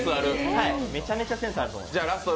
めちゃめちゃセンスあると思います。